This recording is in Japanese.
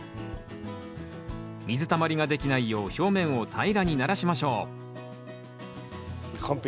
水たまりができないよう表面を平らにならしましょう完璧。